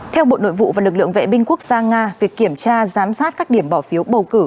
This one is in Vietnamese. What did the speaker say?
theo bộ nội vụ và lực lượng vệ binh quốc gia nga việc kiểm tra giám sát các điểm bỏ phiếu bầu cử